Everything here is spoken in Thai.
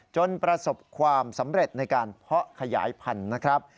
จนประสบความสำเร็จในการเพาะขยายพันธุ์นะครับ